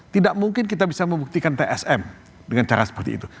tidak mungkin kita bisa membuktikan tsm dengan cara seperti itu